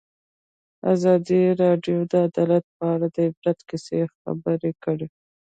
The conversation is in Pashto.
ازادي راډیو د عدالت په اړه د عبرت کیسې خبر کړي.